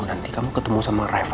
nanti kamu ketemu sama riva